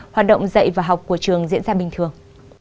hoạt động dạy và học của trường diễn ra bình thường